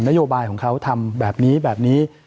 โยบายของเขาทำแบบนี้แบบนี้